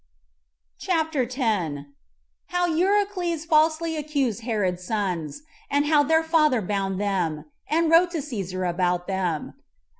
CHAPTER 10. How Eurycles Falsely Accused Herod's Sons; And How Their Father Bound Them, And Wrote To Cæsar About Them.